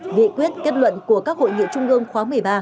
nghị quyết kết luận của các hội nghị trung ương khóa một mươi ba